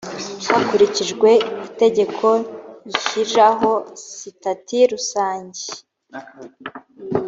hakurikijwe itegeko rishyiraho sitati rusange